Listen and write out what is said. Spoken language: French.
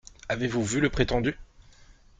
Avez-vous vu le prétendu ?